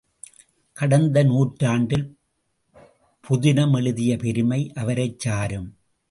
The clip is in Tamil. கடந்த நூற்றாண்டில் புதினம் எழுதிய பெருமை அவரைச் சாரும்.